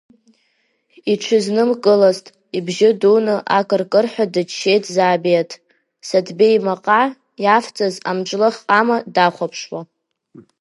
Иҽизнымкылазт, ибжьы дуны акыркырҳәа дыччеит заабеҭ, Саҭбеи имаҟа иавҵаз амҿлых ҟама дахәаԥшуа.